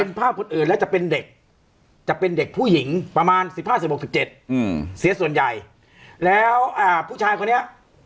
เป็นภาพคนอื่นแล้วจะเป็นเด็กจะเป็นเด็กผู้หญิงประมาณ๑๕๑๖๑๗เสียส่วนใหญ่แล้วผู้ชายคนนี้